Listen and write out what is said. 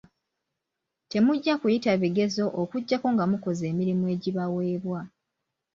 Temuggya kuyita bigezo okujjako nga mukoze emirimu egibaweebwa.